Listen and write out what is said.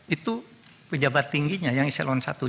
itu pejabat tingginya yang eselon satu